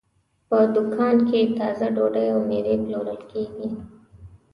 په دوکان کې تازه ډوډۍ او مېوې پلورل کېږي.